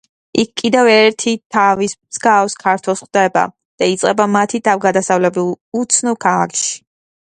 იქ კიდევ ერთ თავის მსგავს ქართველს ხვდება და იწყება მათი თავგადასავლები უცნობ ქალაქში.